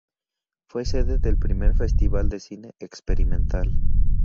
Fue sede del Primer Festival de Cine Experimental.